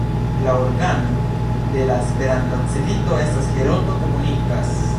La organo de la Esperanta Civito estas "Heroldo komunikas".